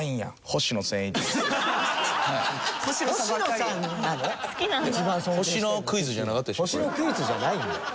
星野クイズじゃないよ。